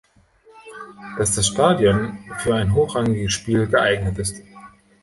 Dass das Stadion für ein hochrangiges Spiel geeignet ist.